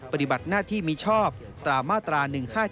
ปฏิบัติหน้าที่มิชอบตามมาตรา๑๕๗